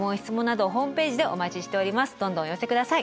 どんどんお寄せ下さい。